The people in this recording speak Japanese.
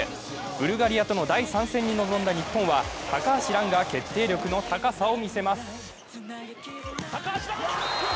ブルガリアとの第３戦に臨んだ日本は高橋藍が決定力の高さを見せます。